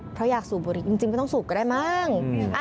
เพราะอยากสูบบุหรี่จริงไม่ต้องสูบก็ได้มั้ง